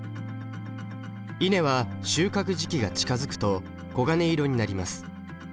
稲は収穫時期が近づくと黄金色になります。